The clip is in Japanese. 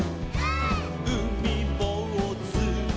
「うみぼうず」「」